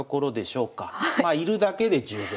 まあ居るだけで十分。